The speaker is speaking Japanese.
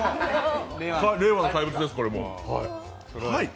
令和の怪物です、これはもう、はい。